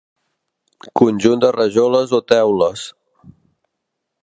Conjunt de rajoles o teules.